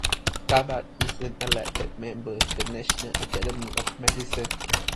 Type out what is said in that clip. Tabak is an elected member the National Academy of Medicine.